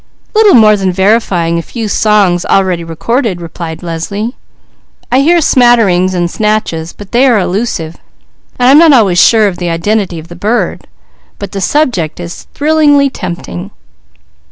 "Little more than verifying a few songs already recorded," replied Leslie. "I hear smatterings and snatches, but they are elusive, while I'm not always sure of the identity of the bird. But the subject is thrillingly tempting."